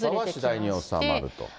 次第に収まると。